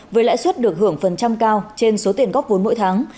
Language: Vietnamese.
với lãi suất được hưởng phần trăm cao trên số tiền góp vốn mỗi tháng